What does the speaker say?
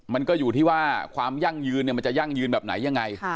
มันก็อยู่ที่ว่าความยั่งยืนมันจะยั่งยืนแบบไหนยังไง